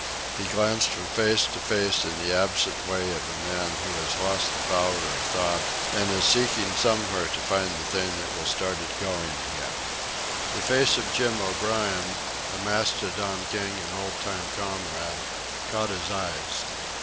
He glanced from face to face in the absent way of a man who has lost the power of thought and is seeking somewhere to find the thing that will start it going again. The face of Jim O'Brien, a Mastodon King and old time comrade, caught his eyes.